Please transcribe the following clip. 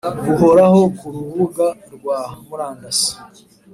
buhoraho ku rubuga rwa murandasi